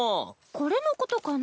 これのことかな？